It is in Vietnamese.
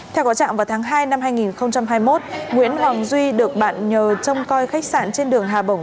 theo có trạng vào tháng hai năm hai nghìn hai mươi một nguyễn hoàng duy được bạn nhờ trông coi khách sạn trên đường hà bổng